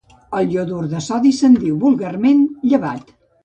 Al iodur de sodi se'n diu vulgarment llevat.